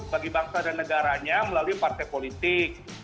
bagi bangsa dan negaranya melalui partai politik